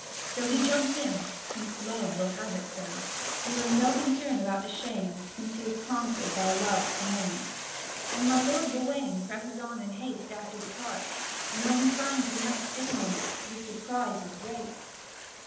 So he jumps in, since love will have it so, feeling no concern about the shame, since he is prompted by love's commands. And my lord Gawain presses on in haste after the cart, and when he finds the knight sitting in it, his surprise is great.